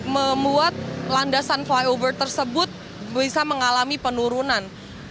membuat landasan flyover tersebut bisa mengalami penurunan